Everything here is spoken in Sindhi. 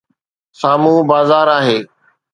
سامهون بازار آهي.